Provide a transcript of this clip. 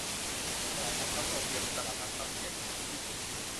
ตลาดหลักทรัพย์โตเกียวเป็นตลาดหลักทรัพย์ที่ใหญ่ที่สุดของญี่ปุ่น